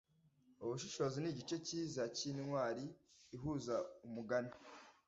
ubushishozi nigice cyiza cyintwari ihuza umugani